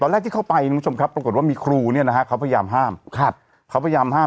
ตอนแรกที่เข้าไปทุกชมครับปรากฏว่ามีครูเนี่ยนะฮะเขาพยายามห้าม